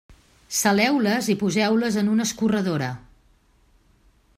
Saleu-les i poseu-les en una escorredora.